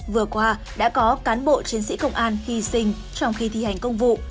vừa qua đã có cán bộ chiến sĩ công an hy sinh trong khi thi hành công vụ